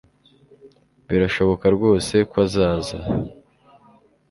Birashoboka rwose ko azaza